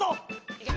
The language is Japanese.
いけ！